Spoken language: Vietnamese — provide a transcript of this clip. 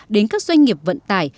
đến các doanh nghiệp vận tải